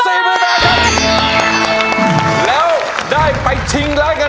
โอ้ยดีใจค่ะ